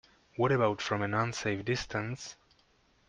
What about from an unsafe distance?